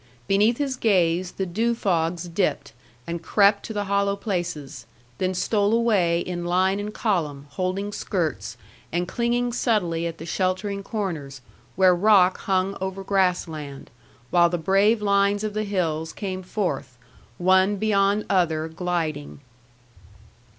Beneath his gaze the dew fogs dipped, and crept to the hollow places; then stole away in line and column, holding skirts, and clinging subtly at the sheltering corners, where rock hung over grass land; while the brave lines of the hills came forth, one beyond other gliding.